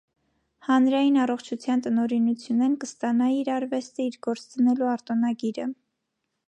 Հանրային առողջութեան տնօրէնութենէն կը ստանայ իր արուեստը ի գործ դնելու արտօնագիրը։